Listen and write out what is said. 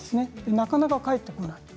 なかなか帰ってこない。